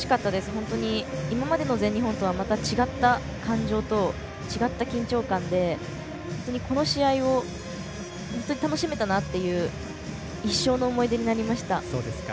本当に今までの全日本とはまた違った感情と違った緊張感で本当にこの試合を本当に楽しめたなっていう一生の思い出になりました。